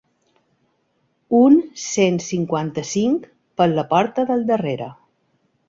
Un cent cinquanta-cinc ‘per la porta del darrere’